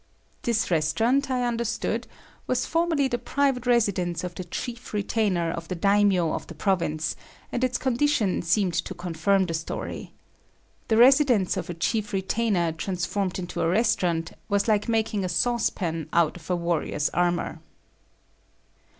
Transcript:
This restaurant, I understood, was formerly the private residence of the chief retainer of the daimyo of the province, and its condition seemed to confirm the story. The residence of a chief retainer transformed into a restaurant was like making a saucepan out of warrior's armor.